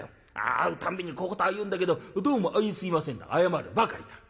会うたんびに小言は言うんだけど『どうもあいすいません』って謝るばかりだ。